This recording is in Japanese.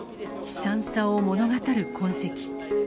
悲惨さを物語る痕跡。